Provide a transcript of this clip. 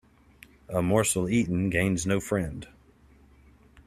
A morsel eaten gains no friend.